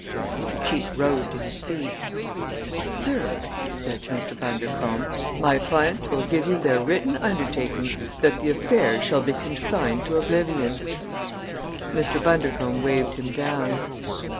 Mr. Cheape rose to his feet. "Sir," he said to Mr. Bundercombe, "my clients will give you their written undertaking that the affair shall be consigned to oblivion." Mr. Bundercombe waved him down.